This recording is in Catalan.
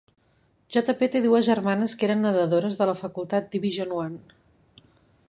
J. P. te dues germanes que eren nedadores de la facultat Division One.